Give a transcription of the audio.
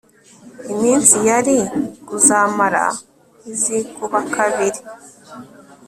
iminsi yari kuzamara izikuba kabiri